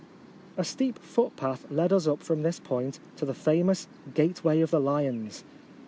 A steep footpath led us up from this point to the famous Gateway of the Lions.